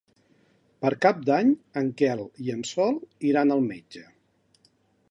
Per Cap d'Any en Quel i en Sol iran al metge.